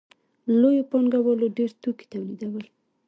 لویو پانګوالو ډېر توکي تولیدول